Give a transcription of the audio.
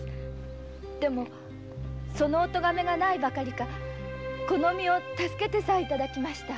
でもそのおとがめがないばかりかこの身を助けてさえ頂きました。